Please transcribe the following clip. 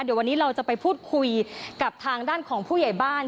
เดี๋ยววันนี้เราจะไปพูดคุยกับทางด้านของผู้ใหญ่บ้าน